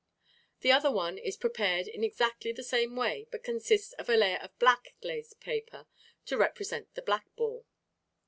The other one is prepared in exactly the same way, but contains a layer of black glazed paper to represent the black ball.